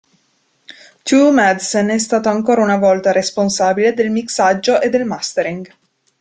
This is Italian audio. Tue Madsen è stato ancora una volta responsabile del mixaggio e del mastering.